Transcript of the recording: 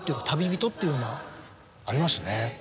ありますね。